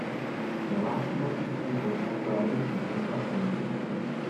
A large amount of people crowded into a subway system.